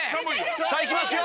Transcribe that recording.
さぁいきますよ！